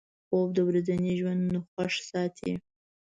خوب د ورځني ژوند خوښ ساتي